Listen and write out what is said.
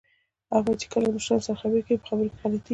احمد چې کله له مشرانو سره خبرې کوي، په خبرو کې غلطېږي